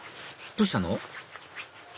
どうしたの？